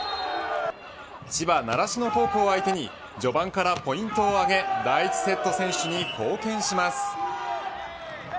千葉習志野高校相手に序盤からポイントを挙げ第１セット先取に貢献します。